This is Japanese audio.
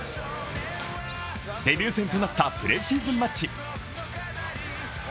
デビュー戦となったプレシーズンマッチ。